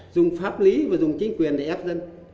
dùng pháp lý và dùng chính quyền để áp dân